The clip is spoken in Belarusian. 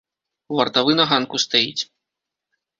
Вартавы на ганку стаіць.